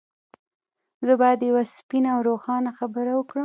زه بايد يوه سپينه او روښانه خبره وکړم.